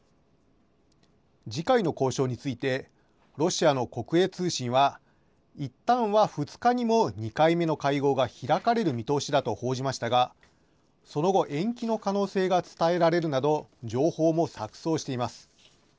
次回の交渉について、ロシアの国営通信は、いったんは２日にも２回目の会合が開かれる見通しだと報じましたが、その後、延期の可能性が伝えられるなど、情報も錯そうしています。